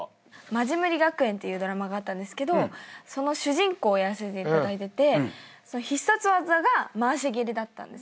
『マジムリ学園』っていうドラマがあったんですけどその主人公をやらせていただいてて必殺技が回し蹴りだったんです。